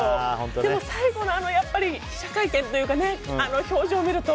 でも、最後の記者会見というか表情を見ると。